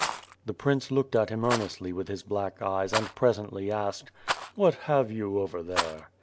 The Prince looked at him earnestly with his black eyes and presently asked: "What have you over there?"